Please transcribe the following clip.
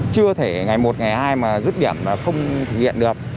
chưa thể ngày một ngày hai mà rứt điểm mà không thực hiện được